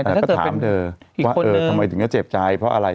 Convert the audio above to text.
แต่ถ้าเธอเป็นอีกคนหนึ่งว่าเออทำไมถึงจะเจ็บใจเพราะอะไร